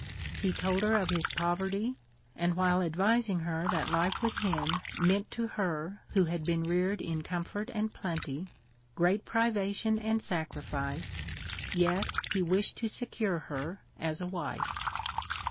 He told her of his poverty, and while advis ing her that life with him meant to her who had been reared in comfort and plenty, great privation and sacrifice, yet he wished to secure her as a wife.